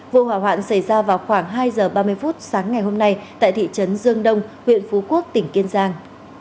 vụ hỏa hoạn xảy ra vào khoảng hai giờ ba mươi phút sáng ngày hôm nay tại thị trấn dương đông huyện phú quốc tỉnh kiên giang